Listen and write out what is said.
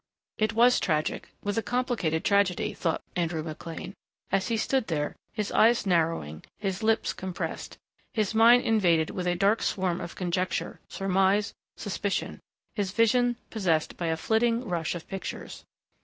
It was tragic, with a complicated tragedy, thought Andrew McLean as he stood there, his eyes narrowing, his lips compressed, his mind invaded with a dark swarm of conjecture, surmise, suspicion, his vision possessed by a flitting rush of pictures.